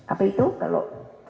apa itu kalau